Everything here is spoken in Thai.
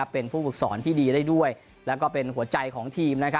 เป็นผู้ฝึกสอนที่ดีได้ด้วยแล้วก็เป็นหัวใจของทีม